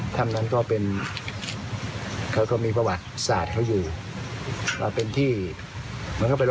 ทำอย่าเสพติดอะไร